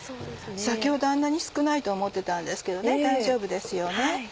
先ほどあんなに少ないと思ってたんですけど大丈夫ですよね。